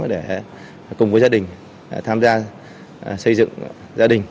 để cùng với gia đình tham gia xây dựng gia đình